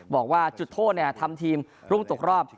บอกว่าจุดโทษทำทีมรุ่งตกรอบ